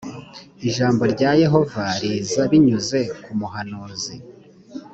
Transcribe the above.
ijambo rya yehova riza binyuze ku muhanuzi .